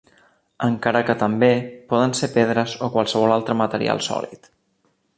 Encara que també poden ser pedres o qualsevol altre material sòlid.